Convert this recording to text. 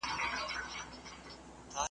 لېوه خره ته ویل ته تر ما هوښیار یې `